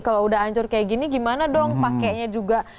kalau udah hancur kayak gini gimana dong pakainya juga